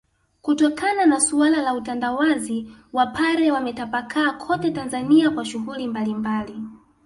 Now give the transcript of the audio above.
kutokana na suala la utandawazi Wapare wametapakaa kote Tanzania kwa shughuli mbalimbali